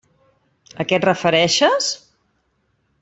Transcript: A què et refereixes?